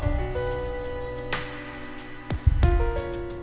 masa dari apa